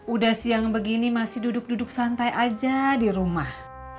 udah siang begini masih duduk duduk santai aja di rumah